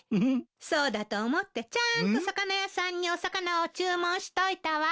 そうだと思ってちゃんと魚屋さんにお魚を注文しといたわ。